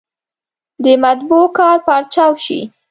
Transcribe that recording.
د مطبعو کار پارچاو شي.